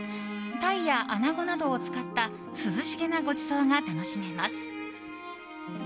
タイやアナゴなどを使った涼しげなごちそうが楽しめます。